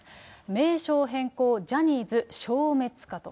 名称変更、ジャニーズ消滅かと。